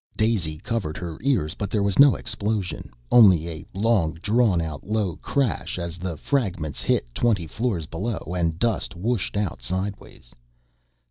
Daisy covered her ears, but there was no explosion, only a long drawn out low crash as the fragments hit twenty floors below and dust whooshed out sideways.